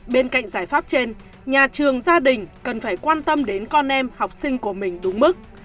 bên cạnh giải pháp trên nhà trường gia đình cần phải quan tâm đến con em học sinh của mình đúng mức